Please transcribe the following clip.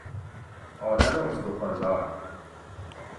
آدم استخوان دار